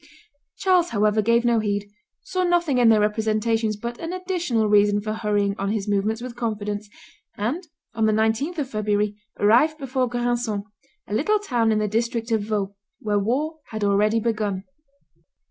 Charles, however, gave no heed, saw nothing in their representations but an additional reason for hurrying on his movements with confidence, and on the 19th of February arrived before Granson, a little town in the district of Vaud, where war had already begun.